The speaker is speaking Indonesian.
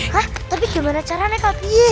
hah tapi gimana caranya kak